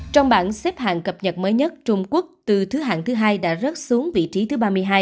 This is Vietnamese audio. trong bảng xếp hạng cập nhật mới nhất trung quốc từ thứ hạng thứ hai đã rớt xuống vị trí thứ ba mươi hai